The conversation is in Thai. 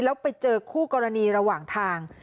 แล้วไปเจอคู่กรณีระหว่างทาง